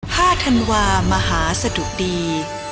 ธันวามหาสะดุดี